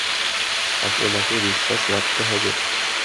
আপনাকে বিশ্বাস রাখতে হবে।